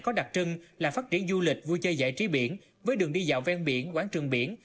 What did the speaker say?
có đặc trưng là phát triển du lịch vui chơi giải trí biển với đường đi dạo ven biển quán trường biển